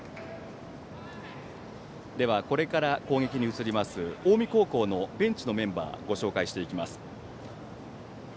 では、これから攻撃に移ります近江高校のベンチのメンバーをご紹介します。